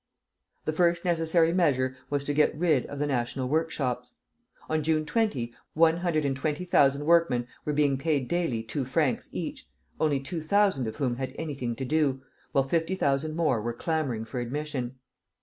The first necessary measure was to get rid of the national workshops. On June 20, one hundred and twenty thousand workmen were being paid daily two francs each, only two thousand of whom had anything to do, while fifty thousand more were clamoring for admission.